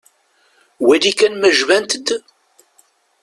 Wali kan ma jbant-d.